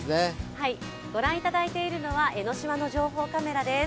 ご覧いただいているのは江の島の情報カメラです。